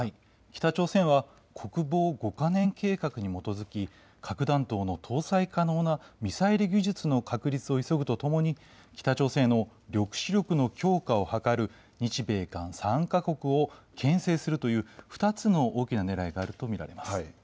北朝鮮は国防５か年計画に基づき核弾頭の搭載可能なミサイル技術の確立を急ぐとともに北朝鮮への抑止力の強化を図る日米韓３か国をけん制するという２つの大きなねらいがあると見られます。